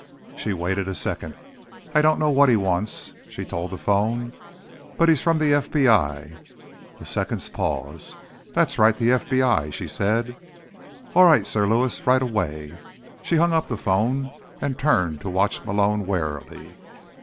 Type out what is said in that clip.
She waited a second. "I don't know what he wants," she told the phone. "But he's from the FBI." A second's pause. "That's right, the FBI," she said. "All right, Sir Lewis. Right away." She hung up the phone and turned to watch Malone warily.